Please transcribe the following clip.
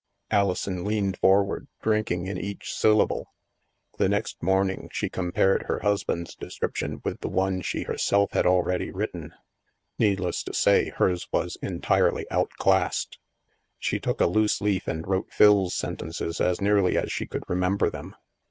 Alison leaned forward, drinking in each syllable. The next morning, she compared her husband's de scription with the one she herself had already writ ten. Needless to say, hers was entirely outclassed. She took a loose leaf and wrote Phil's sentences as nearly as she could remember them.